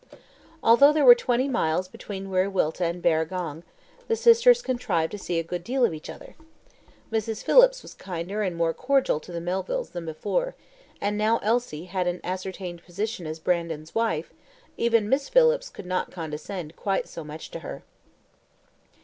Although there were twenty miles between Wiriwilta and Barragong, the sisters contrived to see a good deal of each other. Mrs. Phillips was kinder and more cordial to the Melvilles than before; and now that Elsie had an ascertained position as Brandon's wife, even Miss Phillips could not condescend quite so much to her.